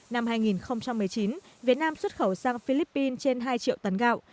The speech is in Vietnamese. năm hai nghìn một mươi chín việt nam xuất khẩu sang philippines trên hai triệu tấn gạo